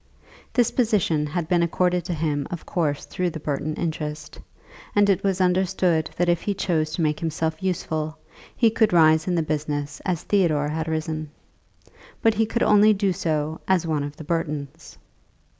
This position had been accorded to him of course through the Burton interest, and it was understood that if he chose to make himself useful, he could rise in the business as Theodore had risen. But he could only do so as one of the Burtons.